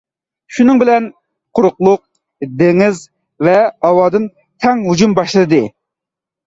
شۇنىڭ بىلەن، قۇرۇقلۇق، دېڭىز ۋە ھاۋادىن تەڭ ھۇجۇم باشلىدى.